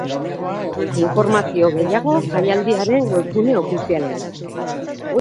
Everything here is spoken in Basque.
Informazio gehiago, jaialdiaren webgune ofizialean.